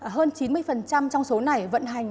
hơn chín mươi trong số này vận hành